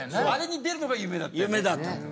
あれに出るのが夢だった。